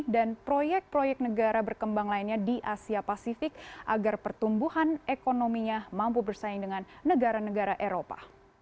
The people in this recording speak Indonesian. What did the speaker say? dan proyek proyek negara berkembang lainnya di asia pasifik agar pertumbuhan ekonominya mampu bersaing dengan negara negara eropa